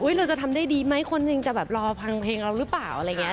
เราจะทำได้ดีไหมคนยังจะแบบรอฟังเพลงเราหรือเปล่าอะไรอย่างนี้